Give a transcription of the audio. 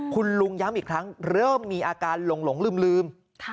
คุณลุงย้ำอีกครั้งเริ่มมีอาการหลงลืม